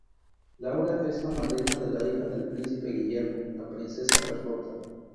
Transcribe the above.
Laura es la madrina de la hija del príncipe Guillermo, la princesa Carlota.